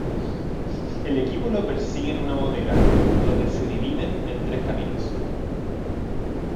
El equipo lo persigue en una bodega, donde se dividen en tres caminos.